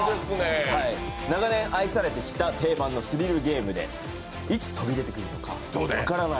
長年愛されてきた定番のスリルゲームでいつ飛び出てくるのか分からない